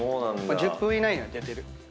１０分以内には出てる。